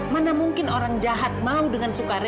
mana mungkin orang jahat mau dengan sukarela